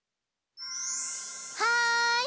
はい！